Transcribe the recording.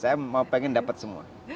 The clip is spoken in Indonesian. saya mau pengen dapat semua